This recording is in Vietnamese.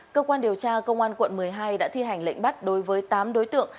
cơ quan điều tra công an quận một mươi hai đã thi hành lệnh bắt đối với tám đối tượng